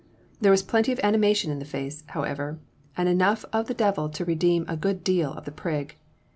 There was plenty of animation in the face, however, and enough of the devil to redeem a good deal of the prig.